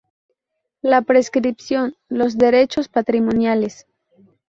la prescripción, los derechos patrimoniales